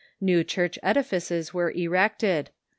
New church edifices were erected.